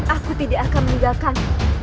aku tidak akan meninggalkan